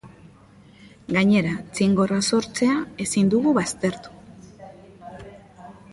Gainera, txingorra sortzea ezin dugu baztertu.